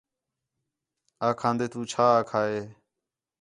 آکھان٘دے تُو چھا آکھا ہِے